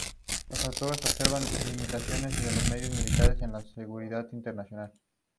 En ese mismo día designó a varios secretarios ante el Cabildo.